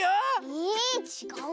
えちがう？